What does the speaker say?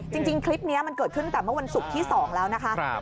จริงคลิปนี้มันเกิดขึ้นตั้งแต่เมื่อวันศุกร์ที่๒แล้วนะคะ